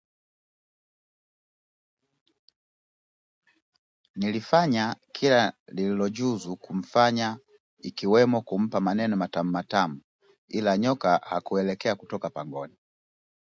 Nilifanya kila nililojuzu kufanya ikiwemo kumpa maneno matamu matamu ila nyoka hakuelekea kutoka pangoni